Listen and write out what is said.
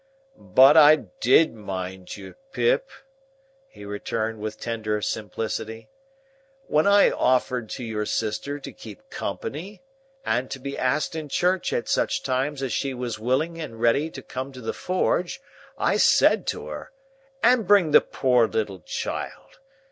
"But I did mind you, Pip," he returned with tender simplicity. "When I offered to your sister to keep company, and to be asked in church at such times as she was willing and ready to come to the forge, I said to her, 'And bring the poor little child.